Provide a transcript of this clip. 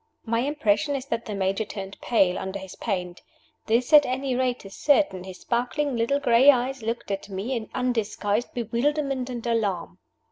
My impression is that the Major turned pale under his paint. This, at any rate, is certain his sparkling little gray eyes looked at me in undisguised bewilderment and alarm.